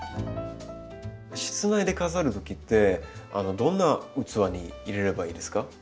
室内で飾る時ってどんな器に入れればいいですか？